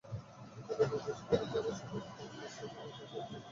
বিদ্যালয়ের কয়েকজন শিক্ষার্থী জানায়, শিক্ষক মোস্তাক মাহমুদ চুরি করতে পারেন না।